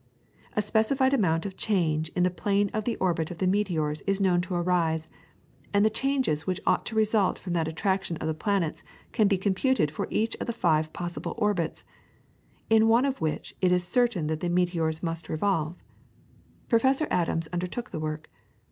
A specified amount of change in the plane of the orbit of the meteors is known to arise, and the changes which ought to result from the attraction of the planets can be computed for each of the five possible orbits, in one of which it is certain that the meteors must revolve. Professor Adams undertook the work.